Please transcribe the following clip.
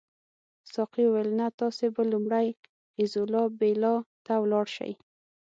ساقي وویل نه تاسي به لومړی ایزولا بیلا ته ولاړ شئ.